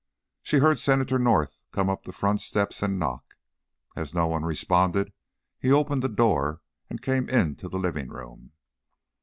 She heard Senator North come up the front steps and knock. As no one responded, he opened the door and came into the living room.